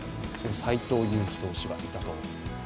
斎藤佑樹投手がいたころ。